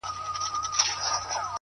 ځوان لگيا دی؛